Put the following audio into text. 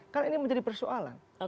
kan ini menjadi persoalan